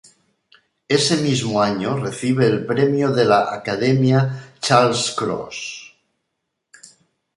Ese mismo año, recibe el premio de la "Academia Charles-Cros".